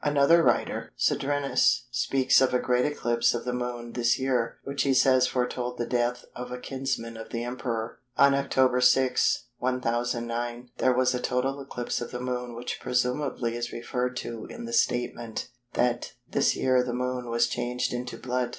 Another writer, Cedrenus, speaks of a great eclipse of the Moon this year which he says foretold the death of a kinsman of the Emperor. On October 6, 1009, there was a total eclipse of the Moon which presumably is referred to in the statement that "this year the Moon was changed into blood."